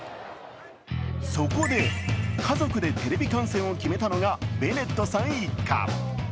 そこで、家族でテレビ観戦を決めたのがベネットさん一家。